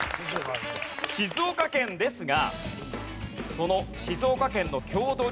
静岡県ですが。